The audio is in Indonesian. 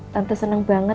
tante seneng banget